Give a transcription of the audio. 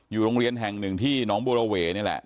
โรงเรียนแห่งหนึ่งที่น้องบัวระเวนี่แหละ